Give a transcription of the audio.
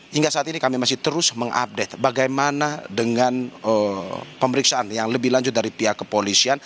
hingga saat ini kami masih terus mengupdate bagaimana dengan pemeriksaan yang lebih lanjut dari pihak kepolisian